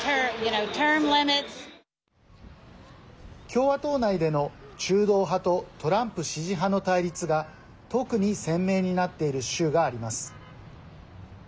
共和党内での中道派とトランプ支持派の対立が特に鮮明になっている州があります。